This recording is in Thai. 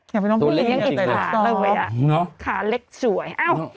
อย่าไปต้องพูดอย่างอีกขาเลือกไว้นะขาเล็กจวย